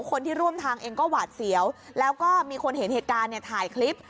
คนที่ร่วมทางเองก็หวาดเสียวแล้วก็มีคนเห็นเหตุการณ์เนี่ยถ่ายคลิป